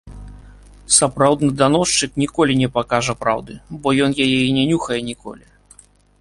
Сапраўдны даносчык ніколі не пакажа праўды, бо ён яе і не нюхае ніколі.